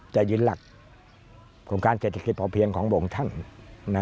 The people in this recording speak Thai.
จะยืนหลักโครงการเศรษฐกิจพอเพียงของพระองค์ท่าน